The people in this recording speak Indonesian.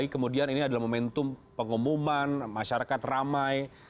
kemudian ini adalah momentum pengumuman masyarakat ramai